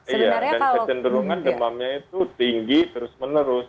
iya dan kecenderungan demamnya itu tinggi terus menerus